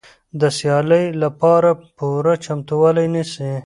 د سیالۍ لپاره پوره چمتووالی نیسي.